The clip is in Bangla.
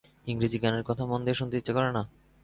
ইংরেজি গানের কথা মন দিয়ে শুনতে ইচ্ছে করে না।